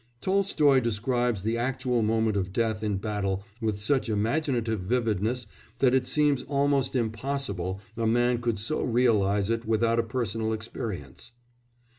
Tolstoy describes the actual moment of death in battle with such imaginative vividness that it seems almost impossible a man could so realise it without a personal experience.